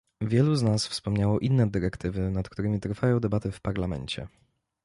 Wielu z was wspomniało inne dyrektywy, nad którymi trwają debaty w Parlamencie